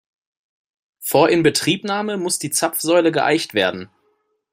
Vor Inbetriebnahme muss die Zapfsäule geeicht werden.